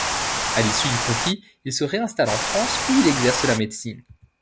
A l'issue du conflit, il se réinstalle en France où il exerce la médecine.